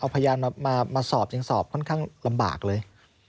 พยานมาสอบยังสอบค่อนข้างลำบากเลย